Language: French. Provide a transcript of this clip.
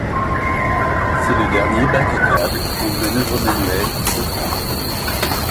C'est le dernier bac à câble, en manœuvres manuelles, de France.